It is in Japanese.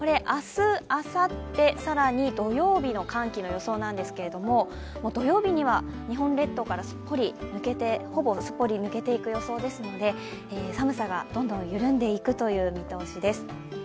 明日、あさって、更に土曜日の寒気の予想なんですけれども、土曜日には日本列島からほぼすっぽり抜けていく予想ですので、寒さがどんどん緩んでいくという見通しです。